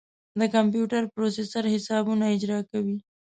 د کمپیوټر پروسیسر حسابونه اجرا کوي.